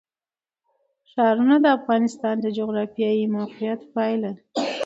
ښارونه د افغانستان د جغرافیایي موقیعت پایله ده.